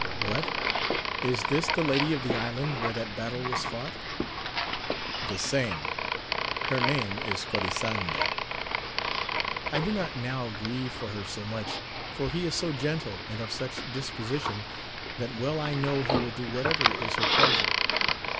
— ^What ! is this the lady of the island where that battle was fought ?— The same. — Her name is Cori sanda. I do not now grieve for her so much, for he is so gentle and of such disposition, that well I know he will do whatever is her pleasure.